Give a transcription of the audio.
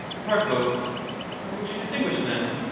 Pro, How would you distinguish them